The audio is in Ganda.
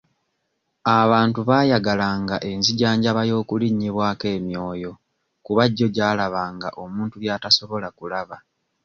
Abantu baayagalanga enzijanjaba y'okulinnyibwako emyoyo kuba gyo gyalabanga omuntu by'atasobola kulaba.